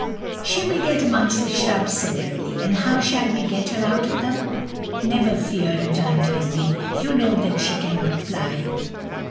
"She will get amongst the shrubs," said Emily; "and how shall we get her out of them?" "Never fear," returned Henry; "you know that she cannot fly."